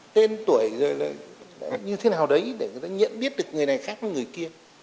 tên tuổi rồi là như thế nào đấy để người ta nhận biết được người này khác với người kia